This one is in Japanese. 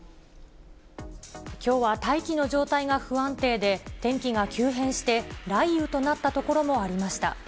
きょうは大気の状態が不安定で、天気が急変して、雷雨となった所もありました。